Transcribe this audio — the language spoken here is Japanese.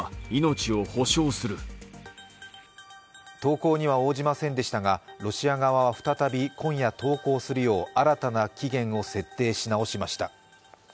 投降には応じませんでしたがロシア側は再び今夜投降するよう新たな期限を設定し直しました。